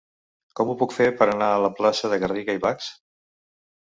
Com ho puc fer per anar a la plaça de Garriga i Bachs?